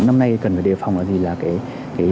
năm nay cần phải đề phòng là gì